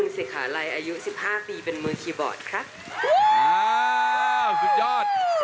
สุดยอด